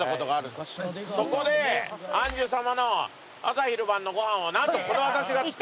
そこで庵主様の朝昼晩のご飯をなんとこの私が作ってたんです。